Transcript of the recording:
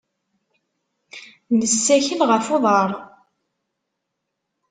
Nessakel ɣef uḍar.